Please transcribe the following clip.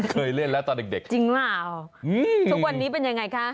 เคยเล่นแล้วตอนเด็กเด็กจริงเปล่าทุกวันนี้เป็นยังไงคะ